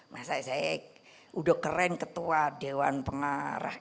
masa saya udah keren ketua dewan pengarah